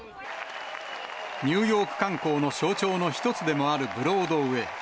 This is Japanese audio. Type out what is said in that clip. ニューヨーク観光の象徴の一つでもあるブロードウェイ。